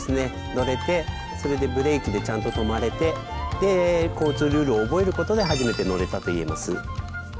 乗れてそれでブレーキでちゃんと止まれてで交通ルールを覚えることで初めて乗れたと言えます。